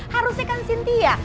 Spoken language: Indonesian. harusnya kan sitiah